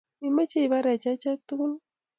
Imache ibaarech ache tugul?